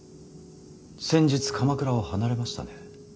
先日鎌倉を離れましたね。